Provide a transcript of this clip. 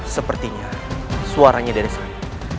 sepertinya suaranya dari sana